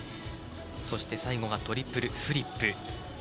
そして、最後はトリプルフリップ。